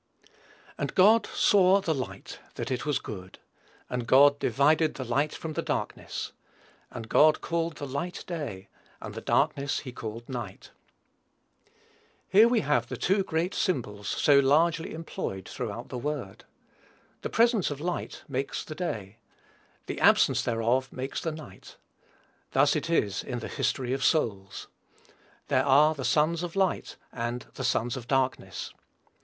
"And God saw the light, that it was good: and God divided the light from the darkness. And God called the light Day, and the darkness he called Night." Here we have the two great symbols so largely employed throughout the Word. The presence of light makes the day; the absence thereof makes the night. Thus it is in the history of souls. There are "the sons of light" and "the sons of darkness."